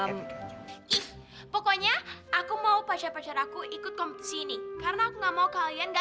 pokoknya aku mau pacar pacar aku ikut kompetisi ini karena aku nggak mau kalian gak